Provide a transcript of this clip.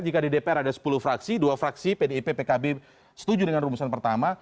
jika di dpr ada sepuluh fraksi dua fraksi pdip pkb setuju dengan rumusan pertama